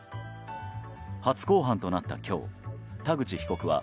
初公判となった今日、田口被告は